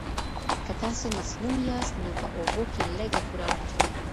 که تاسو مسموم یاست، نو په اوبو کې لږه بوره واچوئ.